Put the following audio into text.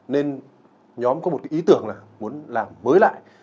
nên nhóm có một cái ý tưởng là muốn làm mới lại